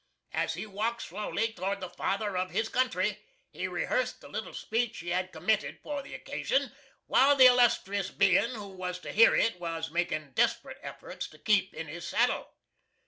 As he walked slowly towards the Father of His Country he rehearsed the little speech he had committed for the occasion, while the illustrious being who was to hear it was making desperate efforts to keep in his saddle.